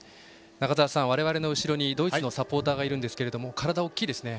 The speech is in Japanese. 中澤さん、我々の後ろにドイツのサポーターがいますが体、大きいですね。